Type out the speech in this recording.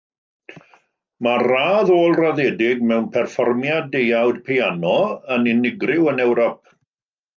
Mae'r radd ôl-raddedig mewn perfformiad deuawd piano yn unigryw yn Ewrop.